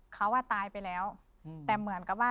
เขาอ่ะตายไปแล้วแต่เหมือนกับว่า